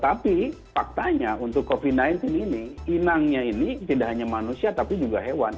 tapi faktanya untuk covid sembilan belas ini inangnya ini tidak hanya manusia tapi juga hewan